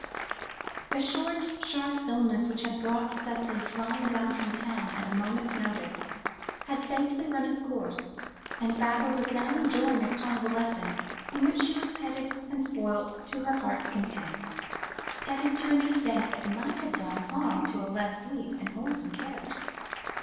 The short, sharp illness which had brought Cicely flying down from town at a moment's notice, had safely run its course, and Baba was now enjoying a convalescence, in which she was petted and spoilt to her heart's content, petted to an extent that might have done harm to a less sweet and wholesome character.